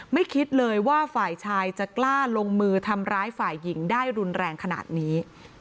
คิดเลยว่าฝ่ายชายจะกล้าลงมือทำร้ายฝ่ายหญิงได้รุนแรงขนาดนี้